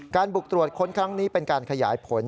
บุกตรวจค้นครั้งนี้เป็นการขยายผล